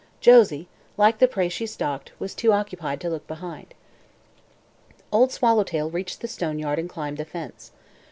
Josie, like the prey she stalked, was too occupied to look behind. Old Swallowtail reached the stone yard and climbed the fence.